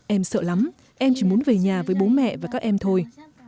em sợ lắm em chỉ muốn về nhà với bố mẹ và các em thôi